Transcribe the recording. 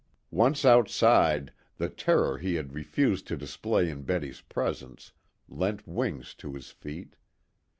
Once outside, the terror he had refused to display in Betty's presence lent wings to his feet.